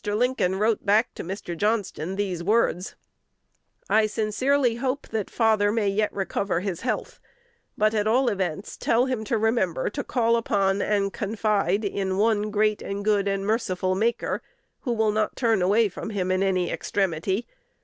Lincoln wrote back to Mr. Johnston these words: "I sincerely hope that father may yet recover his health; but, at all events, tell him to remember to call upon and confide in One great and good and merciful Maker, who will not turn away from him in any extremity.